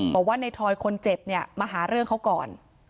บอกว่าในทอยคนเจ็บเนี่ยมาหาเรื่องเขาก่อน